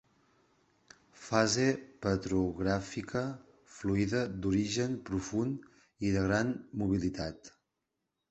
Fase petrogràfica fluida d'origen profund i de gran mobilitat.